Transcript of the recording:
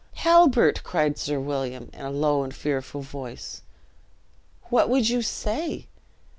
"Halbert!" cried Sir William, in a low and fearful voice, "what would you say?